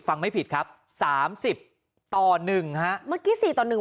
ไม่ผิดครับสามสิบต่อหนึ่งฮะเมื่อกี้สี่ต่อหนึ่ง